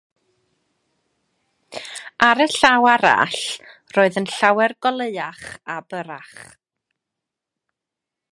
Ar y llaw arall, roedd yn llawer goleuach a byrrach.